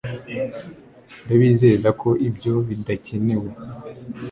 ndabizeza ko ibyo bidakenewe